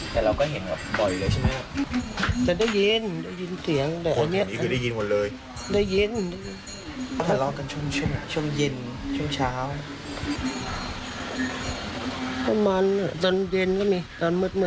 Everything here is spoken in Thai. ประมาณตอนเย็นก็มีตอนมืด